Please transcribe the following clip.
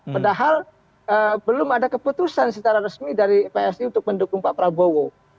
padahal belum ada keputusan secara resmi dari psi untuk mendukung pak prabowo